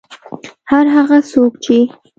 هر هغه څوک چې